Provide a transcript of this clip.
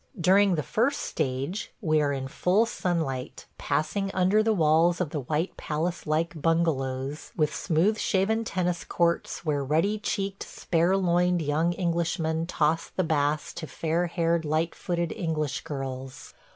During the first stage we are in full sunlight, passing under the walls of the white palace like bungalows with smooth shaven tennis courts where ruddy cheeked, spare loined young Englishmen toss the bass to fair haired, light footed English girls.